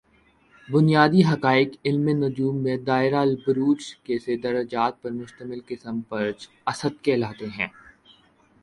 بنیادی حقائق علم نجوم میں دائرۃ البروج کے سے درجات پر مشمل قسم برج اسد کہلاتا ہے